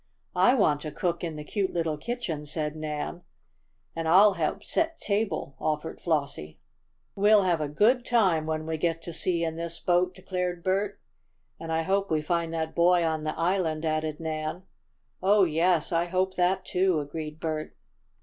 "I want to cook in the cute little kitchen," said Nan. "And I'll help set table," offered Flossie. "We'll have a good time when we get to sea in this boat," declared Bert. "And I hope we find that boy on the island," added Nan. "Oh, yes, I hope that, too," agreed Bert.